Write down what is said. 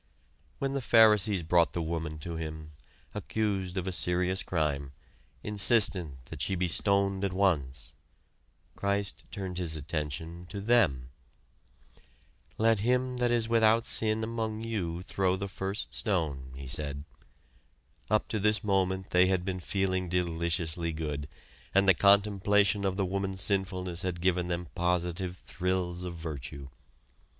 When the Pharisees brought the woman to Him, accused of a serious crime, insistent that she be stoned at once, Christ turned his attention to them. "Let him that is without sin among you throw the first stone," he said. Up to this moment they had been feeling deliciously good, and the contemplation of the woman's sinfulness had given them positive thrills of virtue.